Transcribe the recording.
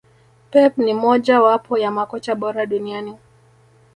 Pep ni moja wapo ya makocha bora duniani